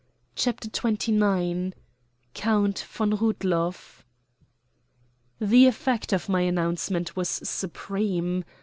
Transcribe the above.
CHAPTER XXIX COUNT VON RUDLOFF The effect of my announcement was supreme.